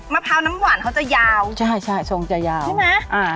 พร้าวน้ำหวานเขาจะยาวใช่ใช่ทรงจะยาวใช่ไหมอ่า